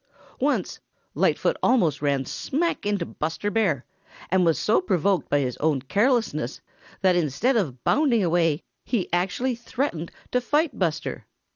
Once Lightfoot almost ran smack into Buster Bear and was so provoked by his own carelessness that instead of bounding away he actually threatened to fight Buster.